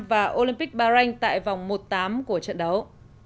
và olympic bahrain tại vòng một tám của trận đấu